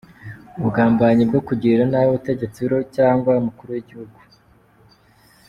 – Ubugambanyi bwo kugirira nabi Ubutegetsi buriho cyangwa umukuru w’igihugu,